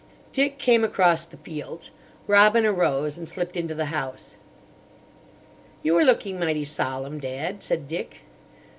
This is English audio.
Dick came across the fields. Robina rose and slipped into the house. "You are looking mighty solemn, Dad," said Dick.